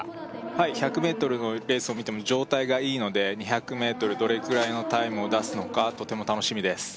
はい１００ｍのレースを見ても状態がいいので２００ｍどれくらいのタイムを出すのかとても楽しみです